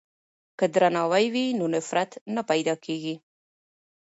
که درناوی وي نو نفرت نه پیدا کیږي.